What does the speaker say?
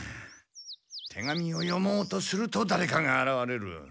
手紙を読もうとするとだれかがあらわれる。